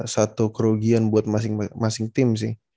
satu kerugian buat masing masing tim sih